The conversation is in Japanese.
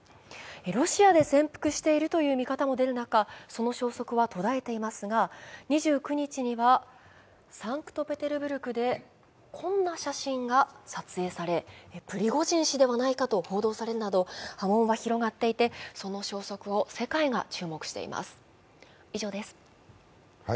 ロシアで潜伏しているという見方が出る中、その消息は途絶えていますが２９日にはサンクトペテルブルクでこんな写真が撮影され、プリゴジン氏ではないかと報道されるなど、波紋は広がっていて、その消息を世界が注目しています。